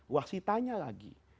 wahsyi tanya lagi